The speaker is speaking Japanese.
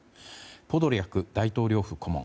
ポドリャク大統領府顧問。